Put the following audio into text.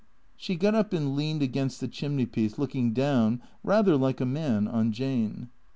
She got up and leaned against the chimney piece looking down, rather like a man, on Jane.